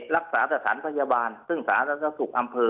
รักษาจธันทรพยาบาลซึ่งสหรัฐศาสตร์ฑุกอำเภอ